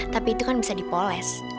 tapi itu kan bisa dipoles